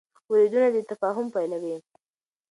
اورېدنه د تفاهم پیلوي.